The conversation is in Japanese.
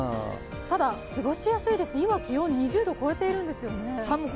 ただ、過ごしやすいです、今気温は２０度超えているんですよね。